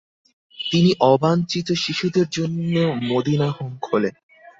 তিনি অবাঞ্ছিত শিশুদের জন্য মদিনা হোম খোলেন।